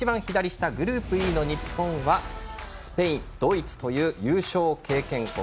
グループＥの日本はスペイン、ドイツという優勝経験国。